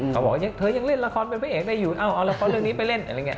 เขาบอกว่าเธอยังเล่นละครเป็นผู้เอกได้อยู่เอาละครเรื่องนี้ไปเล่น